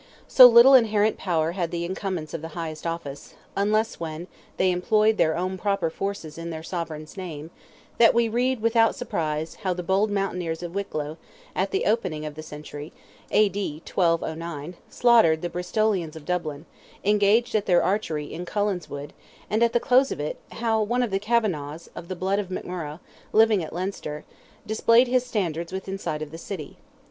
So little inherent power had the incumbents of the highest office—unless when, they employed their own proper forces in their sovereign's name—that we read without surprise, how the bold mountaineers of Wicklow, at the opening of the century (A.D. 1209) slaughtered the Bristolians of Dublin, engaged at their archery in Cullenswood, and at the close of it, how "one of the Kavanaghs, of the blood of McMurrogh, living at Leinster," "displayed his standards within sight of the city."